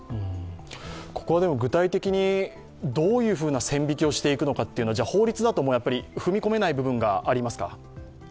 ここは具体的にどういうふうな線引きをしていくのかっていうのは法律だとやっぱり踏み込めない部分がありますか。